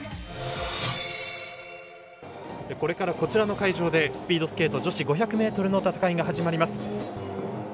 これからこちらの会場でスピードスケート女子５００メートルの戦いが始まります。